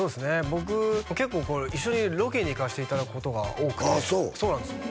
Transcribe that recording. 僕結構一緒にロケに行かせていただくことが多くてああそうそうなんですよ